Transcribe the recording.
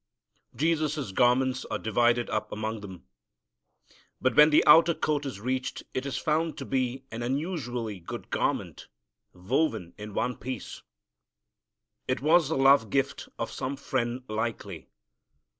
Jesus' garments are divided up among them, but when the outer coat is reached it is found to be an unusually good garment, woven in one piece. It was the love gift of some friend likely.